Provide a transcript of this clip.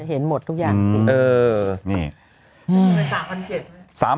เห็นหมดทุกอย่างสิ